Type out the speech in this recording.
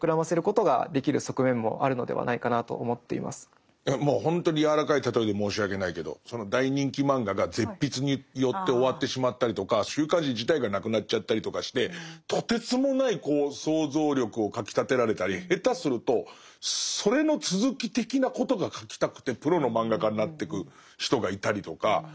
むしろもうほんとに柔らかい例えで申し訳ないけどその大人気漫画が絶筆によって終わってしまったりとか週刊誌自体がなくなっちゃったりとかしてとてつもない想像力をかきたてられたり下手するとそれの続き的なことが書きたくてプロの漫画家になってく人がいたりとか。